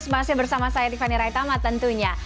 masih bersama saya tiffany raitama tentunya